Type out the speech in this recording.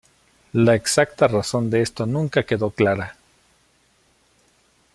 La exacta razón de esto nunca quedó clara.